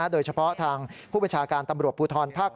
โดยเฉพาะทางผู้บัญชาการตำรวจภูทรภาค๗